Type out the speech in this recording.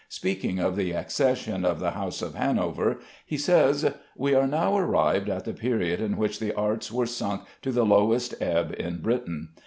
Speaking of the accession of the House of Hanover, he says: "We are now arrived at the period in which the arts were sunk to the lowest ebb in Britain.